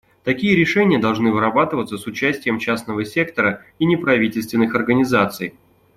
Такие решения должны вырабатываться с участием частного сектора и неправительственных организаций.